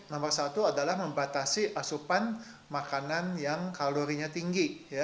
nomor satu adalah membatasi asupan makanan yang kalorinya tinggi